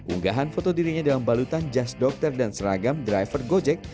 unggahan foto dirinya dalam balutan jas dokter dan seragam driver gojek